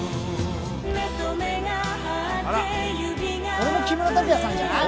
これも木村拓哉さんじゃない？